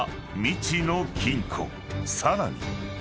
［さらに］